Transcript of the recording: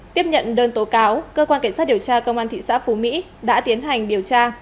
tiếp nhận đơn tố cáo cơ quan cảnh sát điều tra công an thị xã phú mỹ đã tiến hành điều tra